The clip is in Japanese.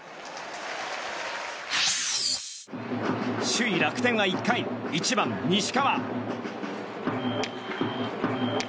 首位、楽天は１回１番、西川。